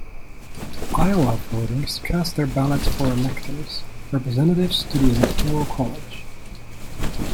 Iowa voters cast their ballots for electors: representatives to the Electoral College.